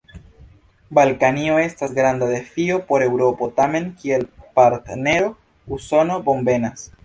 Balkanio estas granda defio por Eŭropo: tamen kiel partnero Usono bonvenas.